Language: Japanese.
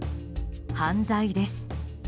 犯罪です。